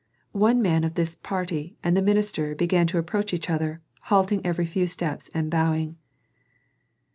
One man of this party and the minister began to approach each other, halting every few steps and bowing.